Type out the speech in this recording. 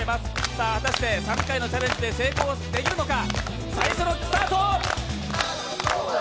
さあ、果たして３回のチャレンジで成功できるのか。